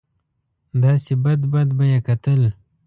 داسې بد بد به یې کتل.